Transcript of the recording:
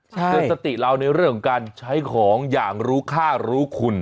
เตือนสติเราในเรื่องของการใช้ของอย่างรู้ค่ารู้คุณ